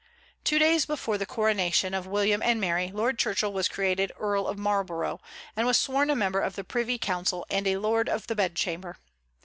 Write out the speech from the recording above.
Two days before the coronation of William and Mary, Lord Churchill was created Earl of Marlborough, and was sworn a member of the Privy Council and a lord of the bedchamber.